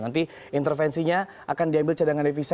nanti intervensinya akan diambil cadangan devisa